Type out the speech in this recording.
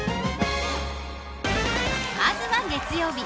まずは月曜日。